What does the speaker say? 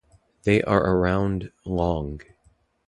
They are around long.